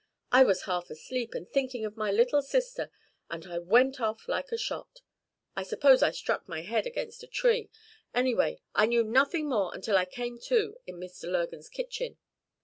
I was half asleep and thinking of my little sister, and I went off like a shot. I suppose I struck my head against a tree. Anyway, I knew nothing more until I came to in Mr. Lurgan's kitchen.